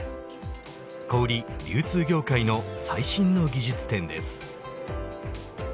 小売、流通業界の最新の技術展です。